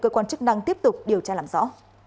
cơ quan chức năng tiếp tục điều tra làm rõ